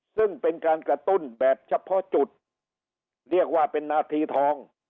ซึ่งเป็นการกระตุ้นแบบเฉพาะจุดเรียกว่าเป็นนาทีทอง